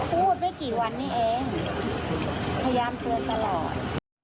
ไม่กี่วันนี้เองพยายามเตือนตลอด